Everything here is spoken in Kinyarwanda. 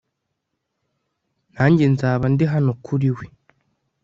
nanjye nzaba ndi hano kuri we